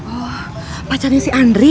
oh pacarnya si andri